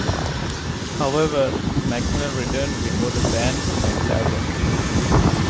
However, McMillan returned before the band's next album.